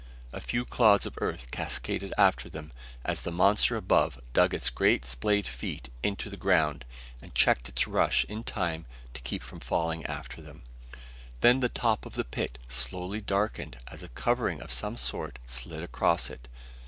A few clods of earth cascaded after them as the monster above dug its great splay feet into the ground and checked its rush in time to keep from falling after them. Then the top of the pit slowly darkened as a covering of some sort slid across it.